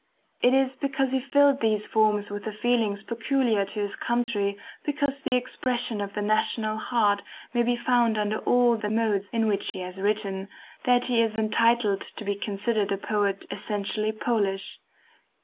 It is because he filled these forms with the feelings peculiar to his country, because the expression of the national heart may be found under all the modes in which he has written, that he is entitled to be considered a poet essentially Polish.